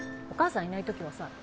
お母さんいないときはさ